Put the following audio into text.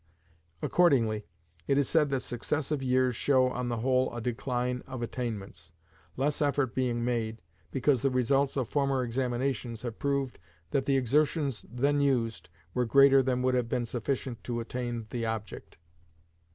Accordingly, it is said that successive years show on the whole a decline of attainments, less effort being made, because the results of former examinations have proved that the exertions then used were greater than would have been sufficient to attain the object.